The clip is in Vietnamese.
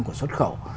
của xuất khẩu